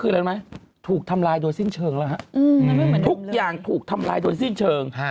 คืออะไรมั้ยถูกทำลายโดนสิ้นเชิงทุกอย่างถูกทำลายโดนสิ้นเชิง